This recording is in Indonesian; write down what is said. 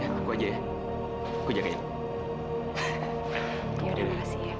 aku aja ya aku jagain ya